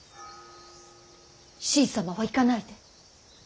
しい様は行かないで。